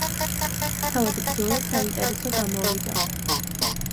თავად ბრძოლა საინტერესო გამოვიდა.